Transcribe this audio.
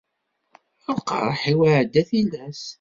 Lqerḥ-iw iɛedda tilas.